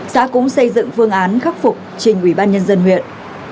xã cũng xây dựng phương án khắc phục trên quỹ ban nhân dân huyện